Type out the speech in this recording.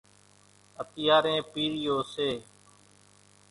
اتيارين پِيرِيو سي۔